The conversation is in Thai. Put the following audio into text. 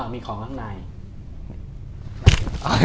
มีของข้างใน